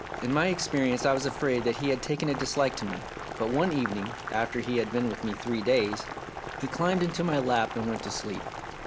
In my inexperience I was afraid that he had taken a dislike to me, but one evening, after he had been with me three days, he climbed into my lap and went to sleep.